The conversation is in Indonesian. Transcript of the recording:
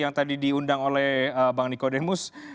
yang tadi diundang oleh bang nicodemus